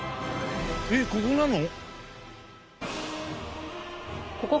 えっここなの？